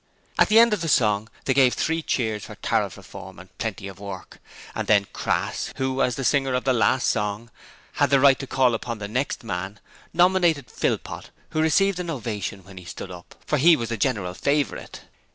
At the end of the song they gave three cheers for Tariff Reform and Plenty of Work, and then Crass, who, as the singer of the last song, had the right to call upon the next man, nominated Philpot, who received an ovation when he stood up, for he was a general favourite.